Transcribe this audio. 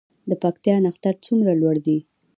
د پکتیا نښتر څومره لوړ دي؟